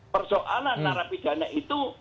persoalan narapidana itu